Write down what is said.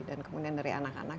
dan kemudian dari anak anak